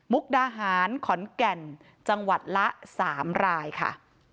ดาหารขอนแก่นจังหวัดละ๓รายค่ะ